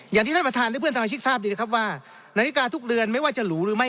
อย่างที่ท่านอุทารุณิชิกรรมสาธารณะที่ทางสินชายทราบดีครับว่านาฬิกาทุกเรือนจะหรูหรือไม่